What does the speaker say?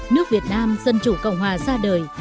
nước việt nam dân chủ cộng hòa ra đời